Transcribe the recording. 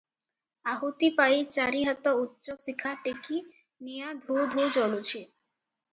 ଆହୁତି ପାଇ ଚାରି ହାତ ଉଚ୍ଚ ଶିଖା ଟେକି ନିଆଁ ଧୂ-ଧୂ ଜଳୁଛି ।